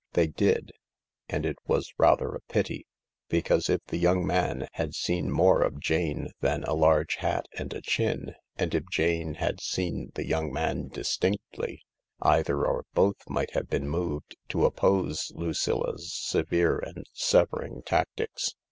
They did. And it was rather a pity, because if the young man had seen more of Jane than a large hat and a chin, and if Jane had seen the young man distinctly, either or both might have been moved to oppose Lucilla 's severe and severing tactics.